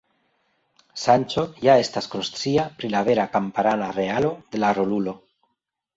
Sanĉo ja estas konscia pri la vera kamparana realo de la rolulo.